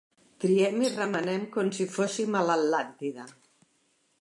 Triem i remenem com si fóssim a l'Atlàntida.